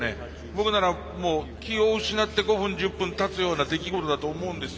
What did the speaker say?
僕ならもう気を失って５分１０分たつような出来事だと思うんですよ。